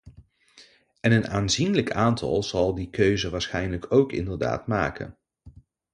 En een aanzienlijk aantal zal die keuze waarschijnlijk ook inderdaad maken.